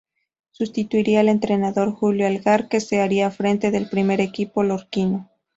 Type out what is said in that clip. Sustituiría al entrenador Julio Algar que se haría frente del primer equipo lorquino.